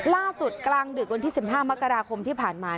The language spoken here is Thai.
กลางดึกวันที่๑๕มกราคมที่ผ่านมา